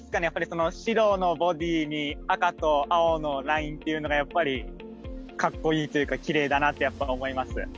やっぱりその白のボディに赤と青のラインっていうのがやっぱりかっこいいというかきれいだなってやっぱ思います。